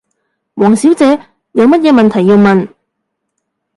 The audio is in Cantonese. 王小姐，有乜嘢問題要問？